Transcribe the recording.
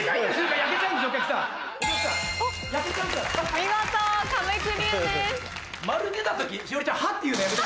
見事壁クリアです。